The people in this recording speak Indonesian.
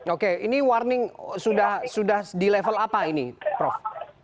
oke ini warning sudah di level apa ini prof